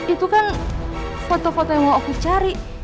itu kan foto foto yang mau aku cari